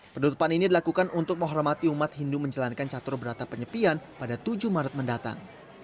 penutupan ini dilakukan untuk menghormati umat hindu menjalankan catur berata penyepian pada tujuh maret mendatang